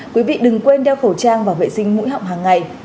quý vị đừng quên đeo khẩu trang và vệ sinh mũi họng hàng ngày